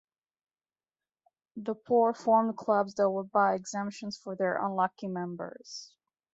The poor formed clubs that would buy exemptions for their unlucky members.